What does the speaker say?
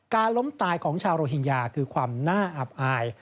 ล้มตายของชาวโรฮิงญาคือความน่าอับอาย